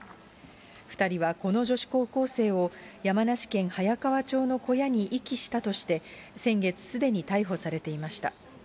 ２人はこの女子高校生を、山梨県早川町の小屋に遺棄したとして、先月すでに逮捕されていました。